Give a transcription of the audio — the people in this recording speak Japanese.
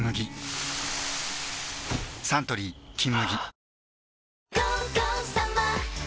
サントリー「金麦」